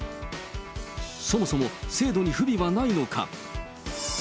そもそも制度に不備はないのか。